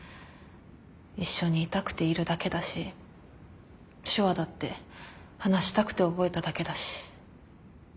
一緒にいたくているだけだし手話だって話したくて覚えただけだし。